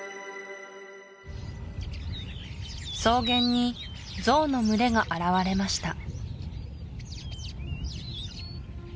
草原にゾウの群れが現れました